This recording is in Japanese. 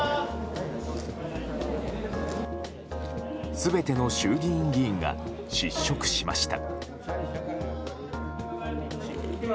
全ての衆議院議員が失職しました。